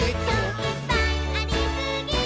「いっぱいありすぎー！！」